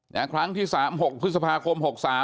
ครั้งที่๓๖พฤษภาคม๖๓